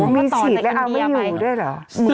มีฉีดไปเอาไม่อยู่ด้วยเหรอ